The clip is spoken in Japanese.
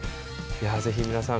ぜひ皆さん